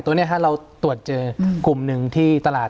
ตัวนี้เราตรวจเจอกลุ่มหนึ่งที่ตลาด